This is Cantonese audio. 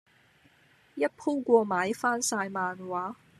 一鋪過買翻曬漫畫